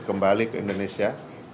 kembali ke indonesia